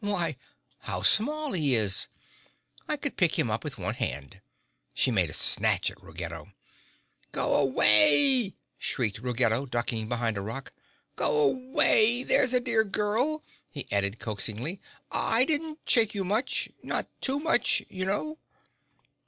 Why, how small he is! I could pick him up with one hand!" She made a snatch at Ruggedo. "Go away!" shrieked Ruggedo, ducking behind a rock. "Go away—there's a dear girl," he added coaxingly. "I didn't shake you much—not too much, you know!"